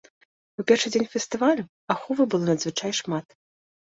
У першы дзень фестывалю аховы было надзвычай шмат.